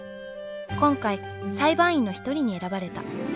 今回裁判員の一人に選ばれた。